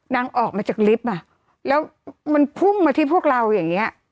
ออกมาจากลิฟต์อ่ะแล้วมันพุ่งมาที่พวกเราอย่างเงี้ย